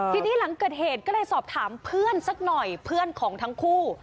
ทีนี้หลังเกิดเหตุก็เลยสอบถามเพื่อนสักหน่อยเพื่อนของทั้งคู่